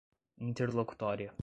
interlocutória